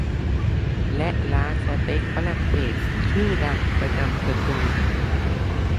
และร้านสเต็กฝรั่งเศสชื่อดังประจำตูลูส